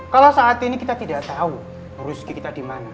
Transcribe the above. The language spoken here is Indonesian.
kalau saat ini kita tidak tahu rezeki kita dimana